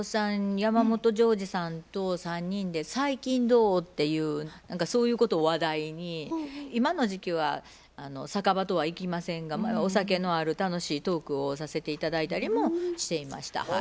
山本譲二さんと３人で「最近どう？」っていうそういうことを話題に今の時期は酒場とはいきませんが前はお酒のある楽しいトークをさせて頂いたりもしていました。